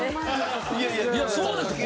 いやそうなんですよ。